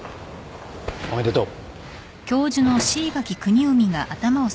おめでとう。